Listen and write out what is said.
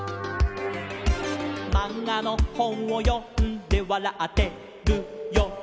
「まんがのほんをよんでわらってるよ」